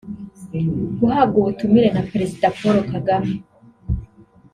Guhabwa ubutumire na Perezida Paul Kagame